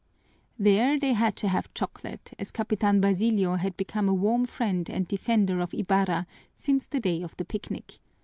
There they had to have chocolate, as Capitan Basilio had become a warm friend and defender of Ibarra since the day of the picnic.